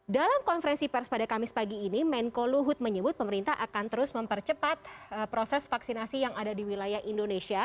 dalam konferensi pers pada kamis pagi ini menko luhut menyebut pemerintah akan terus mempercepat proses vaksinasi yang ada di wilayah indonesia